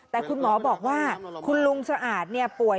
แต่คุณหมอบอกว่าคุณลุงสะอาดป่วย